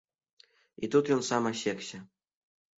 І тут ён сам асекся.